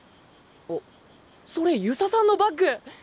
あそれ遊佐さんのバッグ！